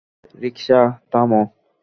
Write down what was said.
রিকশা, থামো।